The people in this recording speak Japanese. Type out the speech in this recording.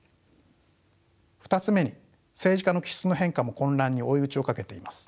２つ目に政治家の気質の変化も混乱に追い打ちをかけています。